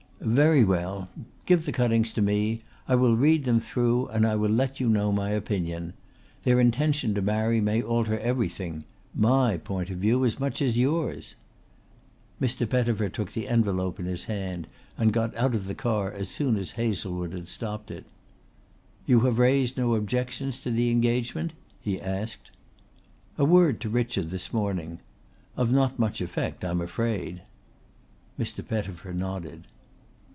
"Very well. Give the cuttings to me! I will read them through and I will let you know my opinion. Their intention to marry may alter everything my point of view as much as yours." Mr. Pettifer took the envelope in his hand and got out of the car as soon as Hazlewood had stopped it. "You have raised no objections to the engagement?" he asked. "A word to Richard this morning. Of not much effect I am afraid." Mr. Pettifer nodded.